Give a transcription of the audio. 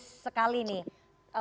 terima kasih sekali nih